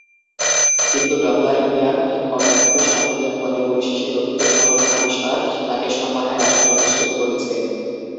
কিন্তু, ডপলার ক্রিয়ার অব্যাহত সাফল্যের ফলে পরিশেষে লোহিত সরণ আবিষ্কার তাকে সম্মানের আসনে অধিষ্ঠিত করেছে।